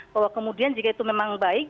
bahwa kemudian jika itu memang baik